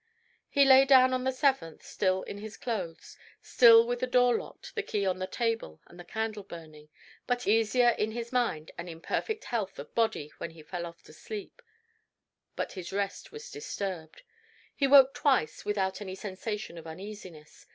He lay down on the seventh, still in his clothes, still with the door locked, the key on the table, and the candle burning, but easier in his mind. Easier in his mind, and in perfect health of body when he fell off to sleep. But his rest was disturbed. He woke twice without any sensation of uneasiness.